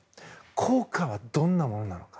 効果はどんなものなのか。